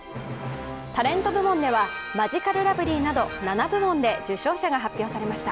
タレント部門ではマヂカルラブリーなど７部門で受賞者が発表されました。